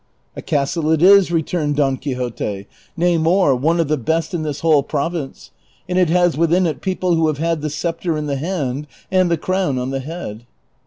" A castle it is," returned Don Quixote, " nay, more, one of the best in this whole province, and it has Avithin it people Avho have had the sceptre in the hand and the crown on the head."